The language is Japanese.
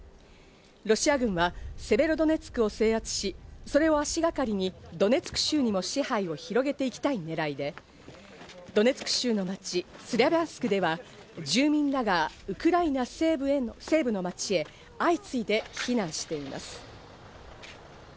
ロシア軍はセベロドネツクを制圧し、それを足がかりにドネツク州にも支配を広げていきたいねらいで、ドネツク州の街スラビャンスクでは住民らがウクライナ西部の街へ相次いで避難しています。